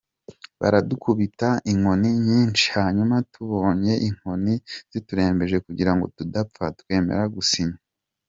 Baradukubita inkoni nyinshi hanyuma tubonye inkoni ziturembeje kugirango tudapfa twemera gusinya.